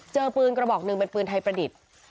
เจอปืนกระบอกหนึ่งเป็นปืนไทยประดิษฐ์